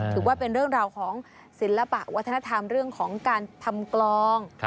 ถือว่าเป็นเรื่องราวของศิลปะวัฒนธรรมเรื่องของการทำกลอง